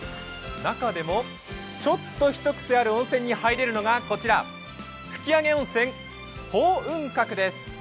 中でもちょっとひとクセ温泉に入れるのがこちら、吹上温泉峯雲閣です。